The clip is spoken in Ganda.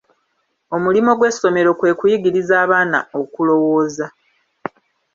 Omulimo gw'essomero kwe kuyigiriza abaana okulowooza.